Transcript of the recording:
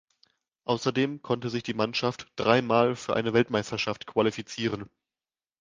Außerdem konnte sich die Mannschaft dreimal für eine Weltmeisterschaft qualifizieren.